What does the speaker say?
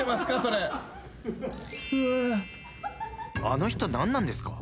あの人何なんですか？